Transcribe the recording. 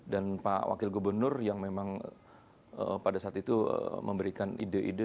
dan pak wakil gobernur yang memang pada saat itu memberikan ide ide